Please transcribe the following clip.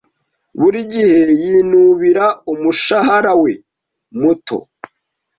Buri gihe yinubira umushahara we muto.